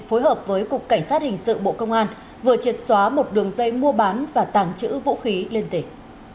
phối hợp với cục cảnh sát hình sự bộ công an vừa triệt xóa một đường dây mua bán và tàng trữ vũ khí liên tịch